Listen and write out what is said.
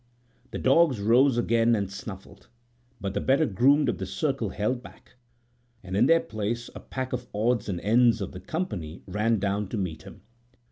The dogs rose again and snuffled, but the better groomed of the circle held back, and in their place a pack of odds and ends of the company ran down to meet him.